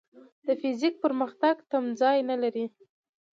د فزیک پرمختګ تمځای نه لري.